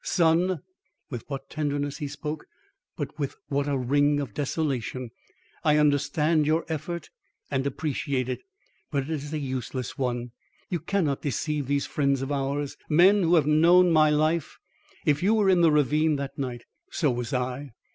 "Son?" With what tenderness he spoke, but with what a ring of desolation. "I understand your effort and appreciate it; but it is a useless one. You cannot deceive these friends of ours men who have known my life. If you were in the ravine that night, so was I.